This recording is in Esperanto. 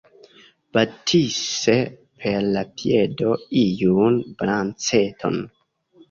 Batis per la piedo iun branĉeton.